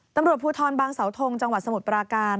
ตำรวจภูทรบางเสาทงจังหวัดสมุทรปราการ